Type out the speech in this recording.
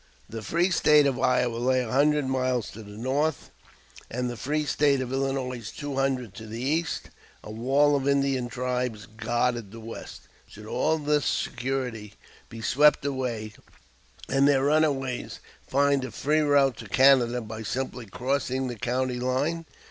The free State of Iowa lay a hundred miles to the north, and the free State of Illinois two hundred to the east; a wall of Indian tribes guarded the west. Should all this security be swept away, and their runaways find a free route to Canada by simply crossing the county line?